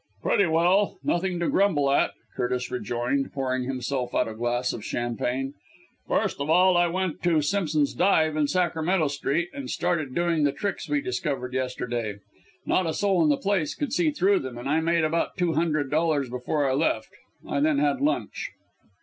"Pretty well! Nothing to grumble at," Curtis rejoined, pouring himself out a glass of champagne. "First of all I went to Simpson's Dive in Sacramento Street, and started doing the tricks we discovered yesterday. Not a soul in the place could see through them, and I made about two hundred dollars before I left. I then had lunch."